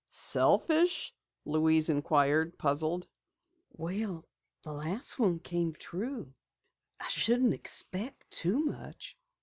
"Selfish?" Louise inquired, puzzled. "The last one came true. I shouldn't expect too much."